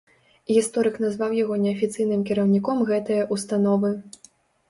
Гісторык назваў яго неафіцыйным кіраўніком гэтае ўстановы.